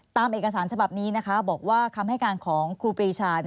ตามเอกสารฉบับนี้นะคะบอกว่าคำให้การของครูปรีชา